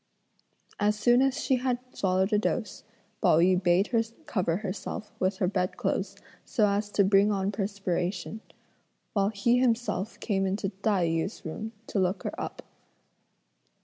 As soon as she had swallowed a dose, Pao yü bade her cover herself with her bed clothes so as to bring on perspiration; while he himself came into Tai yü's room to look her up.